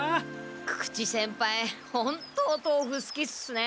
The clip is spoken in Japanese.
久々知先輩ホントおとうふすきっすね。